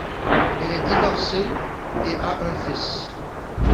Elle est divorcée et a un fils.